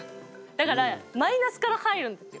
だからマイナスから入るんですよ。